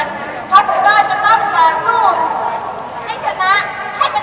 ก็ต้องการสู้ให้ชนะให้กันจบในรุ่นเราใช่ไหม